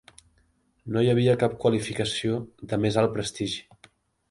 No hi havia cap qualificació de més alt prestigi.